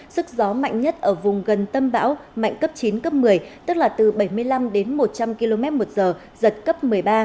sức gió mạnh nhất ở vùng gần tâm bão mạnh cấp chín cấp một mươi tức là từ bảy mươi năm đến một trăm linh km một giờ giật cấp một mươi ba